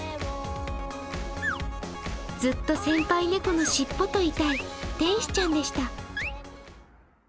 ずっと先輩猫の尻尾といたい天使ちゃんでした。